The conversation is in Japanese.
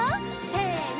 せの！